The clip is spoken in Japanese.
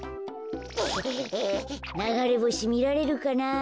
ながれぼしみられるかな。